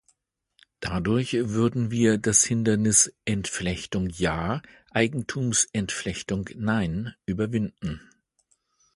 Dadurch würden wir das Hindernis "Entflechtung ja, Eigentumsentflechtung nein" überwinden.